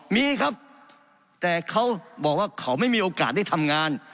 มีครับแต่เขาบอกว่าเขาไม่มีโอกาสได้ทำงาน